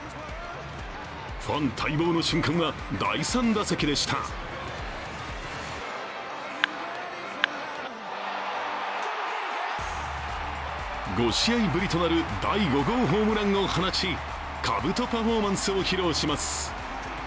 ファン待望の瞬間は第３打席でした５試合ぶりとなる第５号ホームランを放ちかぶとパフォーマンスを披露します。